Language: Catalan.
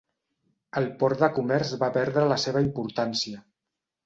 El port de comerç va perdre la seva importància.